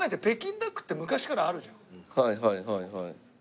はいはいはいはい。